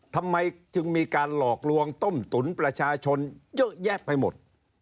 ทำไมจึงมีการหลอกลวงต้มตุ๋นประชาชนเยอะแยะไปหมด